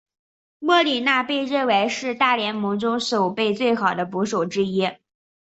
莫里纳被认为是大联盟中守备最好的捕手之一。